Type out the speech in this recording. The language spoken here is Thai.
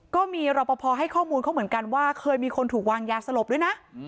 ก็มีรอปภให้ข้อมูลเขาเหมือนกันว่าเคยมีคนถูกวางยาสลบด้วยนะ